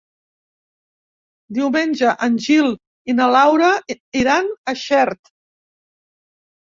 Diumenge en Gil i na Laura iran a Xert.